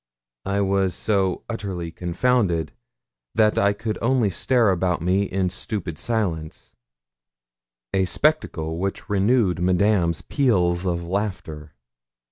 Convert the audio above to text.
I was so utterly confounded that I could only stare about me in stupid silence, a spectacle which renewed Madame's peals of laughter.